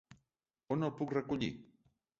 On el puc recollir?